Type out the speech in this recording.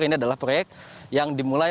ini adalah proyek yang dimulai